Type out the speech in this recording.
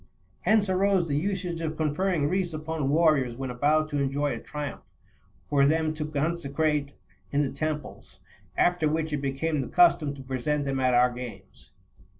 29 Hence arose the usage of conferring wreaths upon warriors when about to enjoy a triumph, for them to conse crate in the temples : after which it became the custom to present them at our games.